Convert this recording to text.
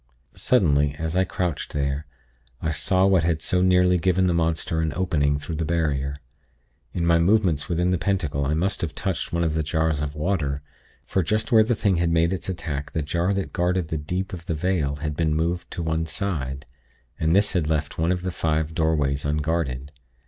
"Suddenly, as I crouched there, I saw what had so nearly given the monster an opening through the barrier. In my movements within the pentacle I must have touched one of the jars of water; for just where the thing had made its attack the jar that guarded the 'deep' of the 'vale' had been moved to one side, and this had left one of the 'five doorways' unguarded.